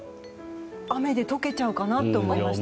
雨で解けちゃうかなと思いました。